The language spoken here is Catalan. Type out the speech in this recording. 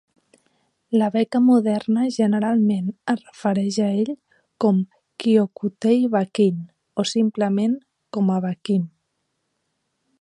La beca moderna generalment es refereix a ell com Kyokutei Bakin, o simplement com a Bakin.